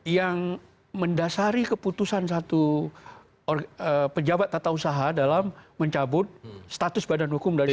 yang mendasari keputusan satu pejabat tata usaha dalam mencabut status badan hukum dari